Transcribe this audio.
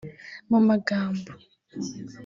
mu magambo